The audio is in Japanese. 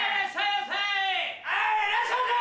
はいいらっしゃいませ！